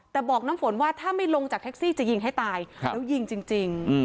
แต่บอกน้ำฝนว่าถ้าไม่ลงจากแท็กซี่จะยิงให้ตายแล้วยิงจริง